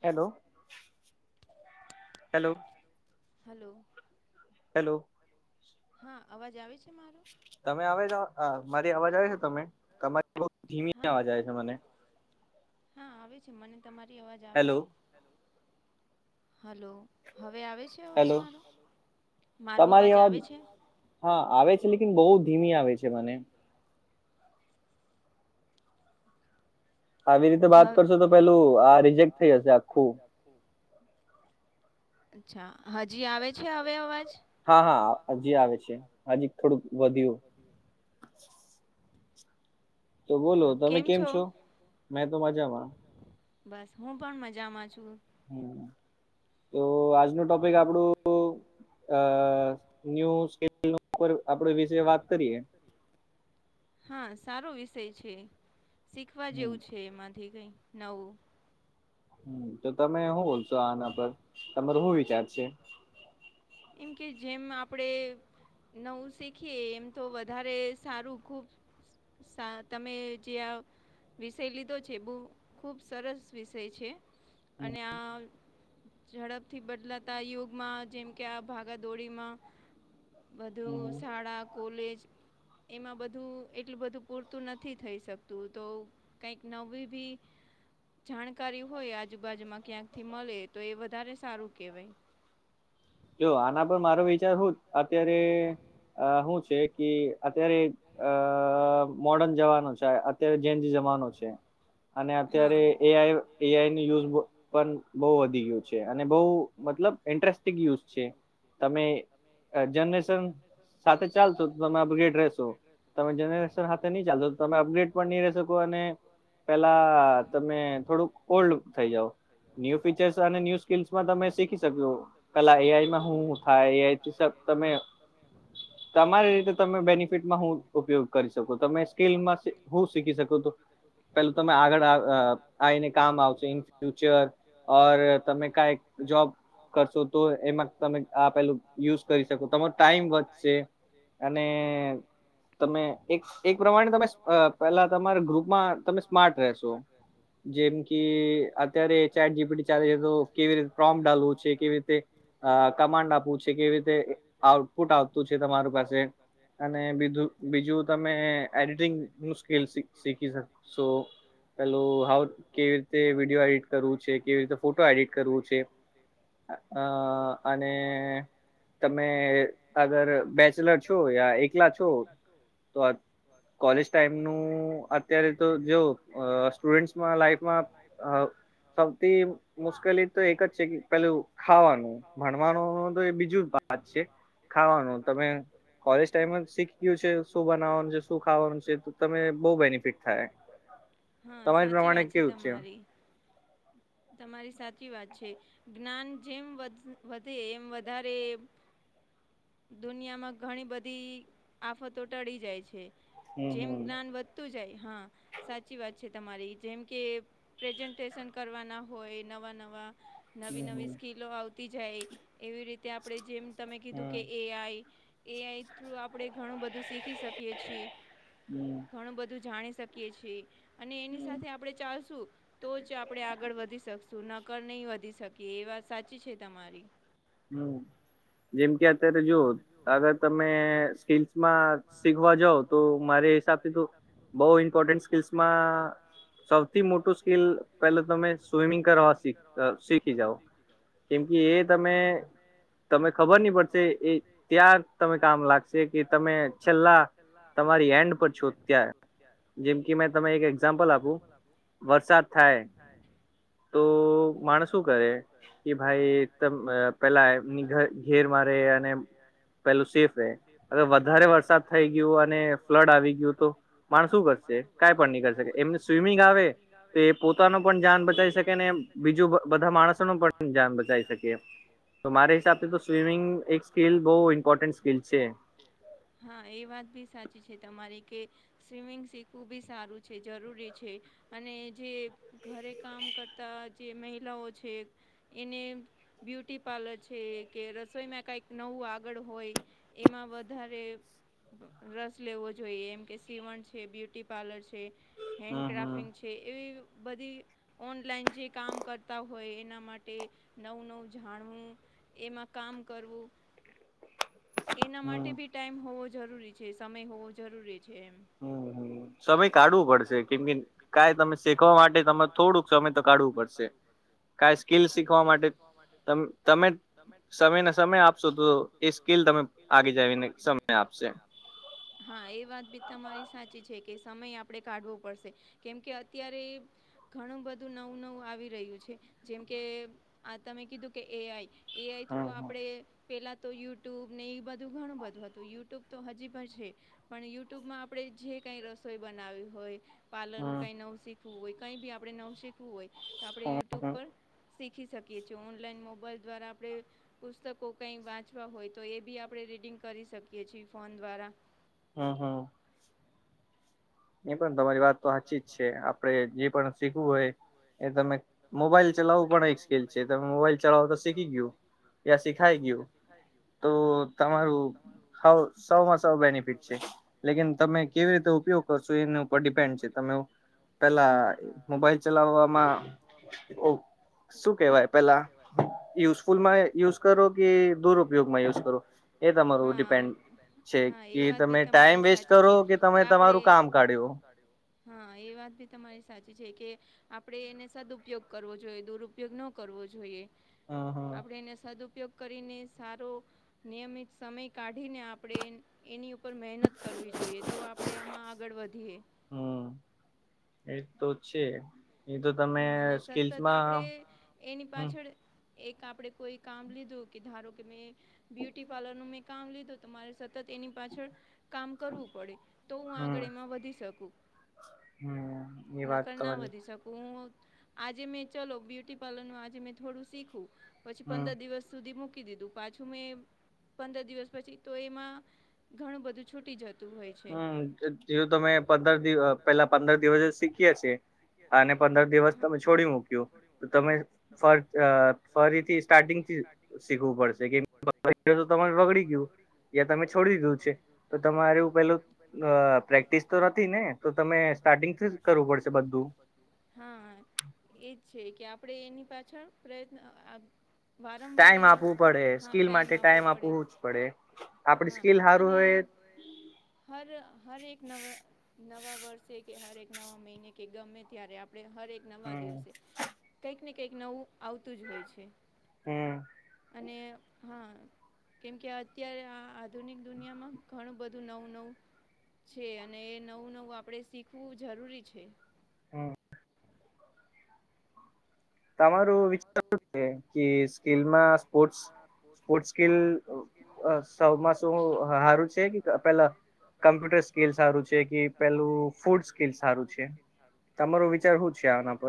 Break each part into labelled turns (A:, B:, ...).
A: Hello. Hello.
B: Hello.
A: Hello.
B: હા અવાજ આવે છે મારો.
A: તમે આવે છે અ મારી અવાજ આવે છે તમે તમારી બો ધીમી અવાજ આવે છે મને
B: હા આવે છે મને તમારી અવાજ આવે છે હેલો. હલો હવે આવે છે અવાજ મારો હેલો.
A: તમારી અવાજ હા આવે છે લેકિન બો ધીમી આવે છે મને.
B: હા આવી રીતે વાત કરશો તો પેલું આ રિજેક્ટ થઈ જશે આખું. અચ્છા હજી આવે છે હવે અવાજ
A: હા હા હજી આવે હજીક થોડુંક વધ્યું. તો બોલો તમે કેમ છો મેં તો મજામાં.
B: બસ હું પણ મજામાં છું.
A: હમ્મ તો આજનું ટોપિક આપડું અ [unintelligible] ઉપર આપડે વિશે વાત કરીએ.
B: હા સારો વિષય છે શીખવા જેવું છે એમાંથી કઈ નવું.
A: હમ્મ તો તમે હું બોલશો આના પર તમારો હું વિચાર છે.
B: કેમ કે જેમ આપણે નવું શીખીએ એમ તો વધારે સારું ખૂબ સા તમે જે આ વિષય લીધો છે બઉં ખૂબ સરસ વિષય છે. અને આ ઝડપથી બદલાતા યુગમાં જેમ કે આ ભાગાદોડીમાં વધુ શાળા કોલેજ કે એમાં બધું એટલું બધું પૂરતું નથી થઈ શકતું તો કંઈક નવી ભી જાણકારી હોય આજુબાજુમાં ક્યાંકથી મળે તો એ વધારે સારું કેહેવાય.
A: જો આના પર મારો વિચાર હુંજ, અત્યારે હું છે. કે અત્યારે અ મોર્ડન જમાનો છે, અત્યારે જેન ઝી જમાનો છે. અને અત્યારે એ આઈ એ આઈની યુઝ પણ બહુ વધી ગયું છે, અને બહુ મતલબ ઇન્ટરેસ્ટિંગ યુઝ છે, તમે જનરેશન સાથે ચાલશો તો તમે અપગ્રેડ રહેશો, તમે જનરેશ હાતે નહી ચાલશો તમે અપગ્રેડ પણ નહી રહી શકો અને... પેલા તમે થોડુંક ઓલ્ડ થઈ જાવ. ન્યુ ફીચર્સ અને ન્યુ સ્કીલસમાં તમે શીખી શકો કલા એ આ
B: [unintelligible]
A: તમારી રીતે તમે બેનિફિટમાં હું ઉપયોગ કરીશ
B: [unintelligible]
A: આવીને કામ આવશે ઇન ફ્યુચર, ઓર તમે કાઈ જોબ કરશો તો એમાં... તમે આ પેલું યુઝ કરી શકો, તમારો ટાઈમ વધશે અને... તમે એક એક પ્રમાણે તમે અ પેલા તમારા ગ્રુપમાં તમે સ્માર્ટ રહેશો. જેમ કે અત્યારે ચેટ જી પી તી ચાલે છે, તો કેવી રીતે પ્રોમ ડાલવું છે, કેવી રીતે...
B: કમાન્ડ આપ છે, જે રીતે આઉટપુટ આપતું તમાર પાસે...
A: અને બીજું બીજું તમે એડિટિંગનું સ્કીલ સી શીખી શકસો. પેલું હઉ, કેવી રીતે વિડીયો એડિટ કરવું છે, કેવી રીતે ફોટો એડિટ કરવું છે. અ અ અને તમે અગર બેચલર છો, યા એકલા છો, તો કોલેજ ટાઈમનું અત્યારે તો જોવ અ સ્ટુડસમાં લાઈફમાં અ સૌથી મુશ્કેલી તો એક જ છે કે પેલું ખાવાનું ભણવાનું તો એ બીજું જ વાત છે. ખાવાનું તમે કોલેજ ટાઈમ જ શીખયું છે. શું બનાવવાનું છે, શું ખાવાનું છે, તો તમે બહુ બેનિફિટ થાય.
B: હા સાચી વાત છે તમારી, તમારી સાચી વાત છે. જ્ઞાન જેમ વ વધે, એમ વધારે દુનિયામાં ઘણી બધી ફતો ટળી જાય છે, જેમ જ્ઞાન વધતું જાય હા... સાચી વાત છે તમારી જેમ કે... પ્રેઝન્ટેશન કરવાના હોય નવા નવા... નવી નવી સ્કીલો આવતી જાય, એવી રીતે આપણે જેમ તમે કીધું કે એ આઈ... એ આઈ થ્રુ આપણેે ઘણું બધું શીખી શકીએ છીએ, ઘણું બધું જાણી સક. કિયે છીએ અને એની સાથે આપણે ચાલશું. તો જ આપણે આગળ વધી શકશું, નકર નહી વધી શકીએ, એ વાત સાચી છે તમારી.
A: હમ્મ જેમ કે અત્યારે જો, અગર તમે સ્કીસમાં શીખવા જાવ તો મારે.
B: મારે હિસાબે તો બહુ ઇમ્પોર્ટન્ટ સ્કીલ્સમાં...
A: સૌથી મોટું સ્કીલ પેલા તમે સ્વિમિંગ કરવા સી અ શીખી જાવ. કેમ કે એ તમે તમે ખબર નહી પડશે, એ ત્યાં તમને કામ લાગશે કે તમે છેલ્લા...
B: છેલ્લાં તમારી એન્ડ પરછું ત્યારે, જેમથી મેં તને એક એક્ઝામ્પલ આપું. વરસાદ થાય.
A: તો માણસ શું કરે કે ભાઈ તમ પેલા એમની ઘર
B: [unintelligible] ઘેર મારે એને
A: પેલું સેફ રે અવે વધારે વરસાદ થઈ ગયુ અને ફ્લડ આવી ગયું તો માણસ શું કરશે કાંઈ પણ ની કરી શકે એમને સ્વિમિંગ આવે તો એ પોતાનો પણ જાન બચાવી શકે ને એમ બીજું બ બધા માણસોનો પણ જાન બચાવી શકે એમ તો મારે હિસાબથી તો સ્વિમિંગ એક સ્કીલ બઉ ઇમ્પોર્ટન્ટ સ્કીલ છે.
B: હાં એ વાત ભી સાચી છે તમારી કે સ્વિમિંગ શીખવું બી સારું છે જરૂરી છે અને જે ઘરે કામ કરતા જે મહિલાઓ છે એને બ્યુટી પાર્લર છે કે રસ સોઈ માં કઈક નવું આગળ હોય એમાં વધારે રસ લેવો જોઈએ એમ કે સીવણ છે, બ્યુટી પાર્લર છે, હેન્ડ ક્રાફિંગ છ છે એવી બધી ઓનલાઈન જે કામ કરતા હોય એના માટે નવું નવું જાણવું એમાં કામ કરવું એના માટે બી ટાઈમ હોવો જરૂરી છે સમય હોવો જરૂરી છે એમ
A: હં હં સમય કાઢવું પડશે કેમ કે કાંઈ તમે શીખવા માટે તમારે થોડુંક સમય તો કાઢવું પડશે. કાઈ સ્કીલ શીખવા માટે તમ તમે સમયને સમય આપશો તો એ સ્કીલ તમે આગે જાયને સમય આપશે.
B: હા એ વાત બી તમારી સાચી છે કે સમય આ પડે કાઢવો પડશે કેમ કે અત્યારે ઘણું બધું નવું નવું આવી રહ્યું છે જેમકે આ તમે કીધું કે એ આઈ એ આઈ થ્રુ આપડે પેલાં તો યુ ટ્યુબ ને એ બધું ઘણું બધું હતું યુ ટ્યુબ તો હજી પણ છે પણ યુ ટ્યુબમાં આપણે જે કંઈ રસોઈ બનાવી હોય પાર્લરનું કાંઈ નવુ શીખવું હોય કંઈ બી આપણે નવું શીખવું હોય તો આપણે યુટ્યુબ પર શીખી શકીએ છીએ ઓનલાઈન મોબાઈલ દ્વારા આપણે પુસ્તકો કંઈ વાંચવા હોય તો એ બી આપણે રીડિંગ કરી શકીએ છીએ ફોન દ્વારા
A: હં હં એ પણ તમારી વાત તો હાચી જ છે આપડે જે પણ શીખવું હોય. એ તમે મોબાઈલ ચલાવું પણ એક સ્કીલ છે તમે મોબાઈલ ચલાવતા શીખી ગયું. યા શીખાય ગયું.
B: [unintelligible]
A: તો તમારું હવ સૌ માં સો બેનિફિટ છે લેકીન તમે કેવી રીતે ઉપયોગ કરો છો એની ઉપર ડિપેન્ડ છે તમે ઉ પેલા મોબાઈલ ચલાવવામાં શું કેવાય પેલા યુઝફુલમાં યુઝ કરો કે દુરુપયોગમાં યુઝ કરો? એ તમારું ડિપેન્ડ છે કે તમે ટાઈમ વેસ્ટ કરો કે તમે તમારું કા
B: હા એ વાત બી તમારી સાચી છે કે આપડે એને સદુપયોગ કરવો જોઈએ દુરુપયોગ ન કરવો જોઈએ. આપડે એને સદુપયોગ કરીને સારો નિયમિત સમય કાઢીને આપડે એ એની ઉપર મહેનત કરવી જોઈએ તો આપડે આમાં આગળ વધીએ.
A: હમ્મ એ તો છે.
B: હા અને સતત આપડે એની પાછળ એક આપડે કોઈ કામ લીધું કે ધારો કે મેં બ્યુટી પાર્લરનું મેં કામ લીધું તો મારે સતત એની પાછળ કામ કરવું પડે તો હું આગળ એમાં વધી શકું. નકર ના વધી શક હું આજે મેં ચલો બ્યુટી પાર્લરનું આજે મેં થોડું શીખું પછી પંદર દિવસ સુધી મૂકી દીધું. પાછું મેં પંદર દિવસ પછી તો, એમાં ઘણું બધું છૂટી જ
A: હમ્મ જે જેવું તમે પંદર દિવ અહ પેલા પંદર દિવસ જ શીખીએ છીએ અને પંદર દિવસ તમે છોડી મૂક્યો. તમે ફ અહ ફરીથી સ્ટર્ટિંગ થી શીખવું પડશે કે તો તમાર બગડી ગયું. યા તમે છોડી દયું છે તો તમારે એવું પેલું અહ પ્રેક્ટિસ તો ને તો તમે, સ્ટાર્ટિંગ થી જ કરવું પડશે બધું.
B: હા, એજ છે કે આપડે એની પાછળ પ્રયત્ન અહ
A: ટાઈમ આપવું પડે સ્કીિલ માટે ટાઈમ આપવું જ પડે આપડી સ્કીિલ સારું હોય હમ!
B: હર હર એક નવા નવા વર્ષે કે હર એક નવા મહિને કે ગમે ત્યારે આપ આપડે હરે એક નવા દિવસે કંઈક ને કંઈક નવું આવતું જ હોય છે.
A: હમ્મ.
B: અને હા કેમકે અત્યારે આ આધુનિક દુનિયામાં ઘણું બધ બધું નવું નવું છે અને એ નવું નવું આપડે શીખવું જરૂરી છે.
A: તમારું વિચારું શું છે કે સ્કીલમાં સ્પોર્ટ સ્પોર્ટ સ્કીલ અહ સૌમાં શું હારું છે કે પેલા કમ્પ્યુટર સ્કીલ સારું છે કે પેલું ફૂડ સ્કીલ સારું છે. તમારો વિચાર હું છે, આના પર?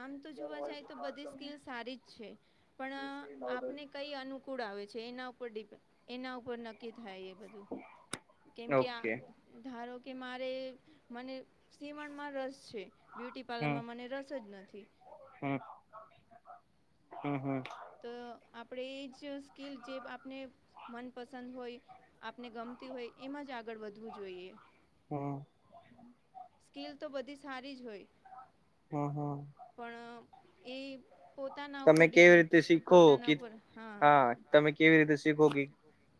B: આમ તો જોવા જાય તો, બધી સ્કીિલ સારી જ છે. પણ અહ આપને કંઈ અનુ કુડ આવે છે. એના ઉપર ડિપેન્ડન એના ઉપર નક્કી થાય એ બધું કેમકે આ ધારો કે મારે મને સીવણમાં રસ છે. બ્યુટી પાર્લરમાં મને રસ સ જ નથી.
A: હા. હા, હા.
B: તો આપડે એ જ સ્કીલ જે આપને મનપસંદ હોય આપને ગમતી હોય એમાં જ આગળ વધવું જોઈએ.
A: હા.
B: સ્કીલ તો બધી સારી જ હોય.
A: હા, હા.
B: પણ અહ એ પોતાના ઉપર ડિપેન્ડ પોતાના ઉપર હા.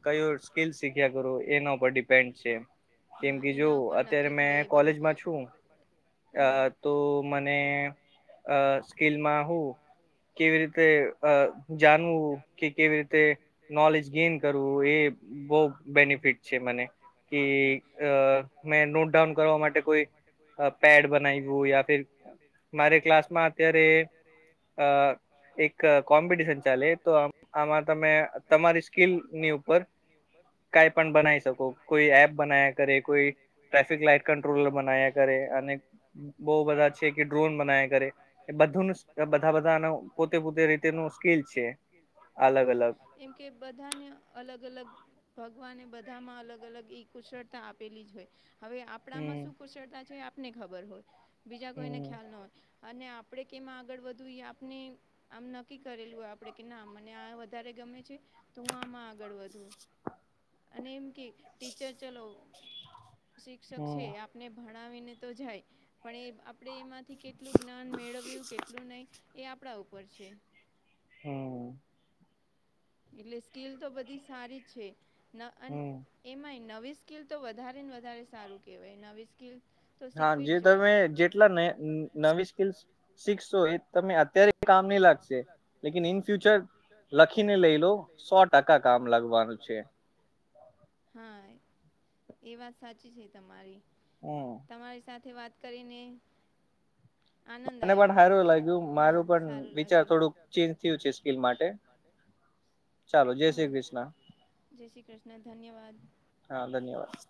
A: કયું સ્કીલ શીખ્યા કરું, એના ઉપર ડિપેન્ડ છે. કેમ કે જો, અત્યારે મેં કોલેજમાં છું અહ તો મન ને અહ મેં સ્કીલમાં હું કેવી રીતે અહ જાણવું કે કેવી રીતે નોલેજ ગેન કરવું એ બહુ બેનિફિટ છે મને. કે અહ મેં નોટડાઉન કરવા માટે કોઈ પેડ બનાવ્યું યા ફિર મારે ક્લાસમાં અત્યારે અહ એક અહ કોમ્પિટિશન ચાલે તો આમ આમાં તમે તમારી સ્કીલની ઉપર કઈ પણ બનાવી શકો, કોઈ એપ બનાવ્યા કરે, કોઈ ટ્રાફિક લાઈટ કંટ્રોલર બનાવ્યા કરે અને બઉ બધા છે કે ડ્રોન બનાયા કરે, એ બધુંનું સ, એ બધા બધાનો પોતે પોતે રીતેનો સ્કિલ છે. અલગ અલગ
B: કે બધાને અલગ અલગ ભગવાને બધામાં અલગ અલગ એ કુશળતા આપેલી જ હોય. હવે આપ આપણામાં શું કુશળતા છે એ આપને ખબર હોય. બીજા કોઈને ખ્યાલ ન હોય. અને આપણે કેમ આગળ વધવું ઈ આપ ને, આમ નક્કી કરેલું હોય આપણે કે ના મને આ વધારે ગમે છે તો હું આમાં આગળ વધુ, અને એમ કે ટીચર ચલો, શિક્ષક છે આપ ને ભણાવીને તો જાય પણ એ આપણે એમાંથી કેટલું જ્ઞાન મેળવ્યું કેટલું નહીં એ આપણા ઉપર છે.
A: હમ્મ
B: એટલે સ્કિલ તો બધી સારી છે, ન અન એમાંય નવી સ્કિલ તો વધારેને વધારે સારું કહેવાય નવી સ્કિલ
A: હા જે તમે જેટલા નય, નવી સ્કિલ્સ શીખશો એ તમે અત્યારે કામ નહી લાગશે લેકિન ઇન ફ્યુચર લખીને લઈલો સો ટકા કામ લાગવાનું છે.
B: હા, એ વાત સાચી છે તમારી.
A: હમ્મ
B: તમારી સાથે વાત કરીને આનંદ આવ્યો, હા સારું લાગ્યું.
A: સ્કિલ માટે
B: હા, જય શ્રી કૃષ્ણ, ધન્યવાદ!
A: હા, ધન્યવાદ!